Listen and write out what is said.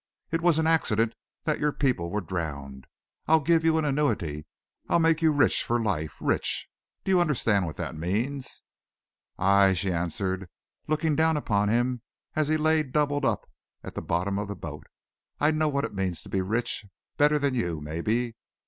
It was an accident that your people were drowned. I'll give you an annuity. I'll make you rich for life rich! Do you understand what that means?" "Aye!" she answered, looking down upon him as he lay doubled up at the bottom of the boat. "I know what it means to be rich better than you, maybe.